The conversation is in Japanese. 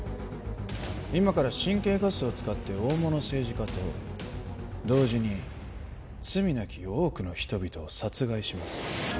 今から神経ガスを使って大物政治家と同時に罪なき多くの人々を殺害します